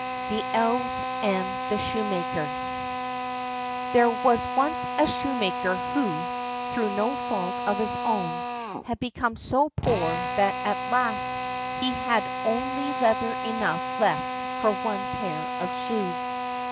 The Elves and the Shoemaker There was once a shoemaker who, through no fault of his own, had become so poor that at last he had only leather enough left for one pair of shoes.